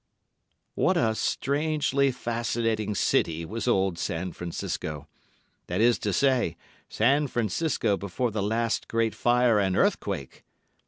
What a strangely fascinating city was old San Francisco—that is to say, San Francisco before the last great fire and earthquake!